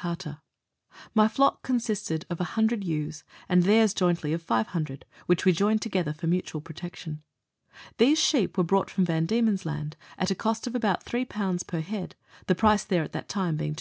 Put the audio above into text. Carter ; my flock consisted of 100 ewes, and theirs jointly of 500, Avliich we joined together for mutual protection. These sheep were brought from Van Diemeu's Land, at a cost of about 3 per head, the price there at that time being 2.